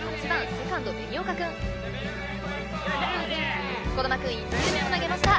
セカンド紅岡くん児玉くん１球目を投げました